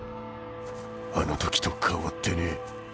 あの時と変わってねえ。